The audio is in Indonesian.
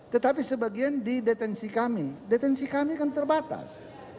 tetapi sebagian di detensi kami detensi kami kan terbatas